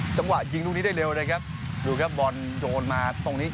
จังหวะยิงลูกนี้ได้เร็วเลยครับดูครับบอลโยนมาตรงนี้